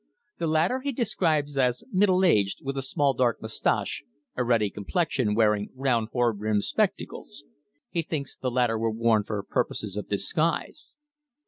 The latter he describes as middle aged, with a small dark moustache, a ruddy complexion, wearing round horn rimmed spectacles. He thinks the latter were worn for purposes of disguise.